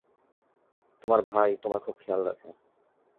তোমার ভাই তোমার খুব খেয়াল রাখে।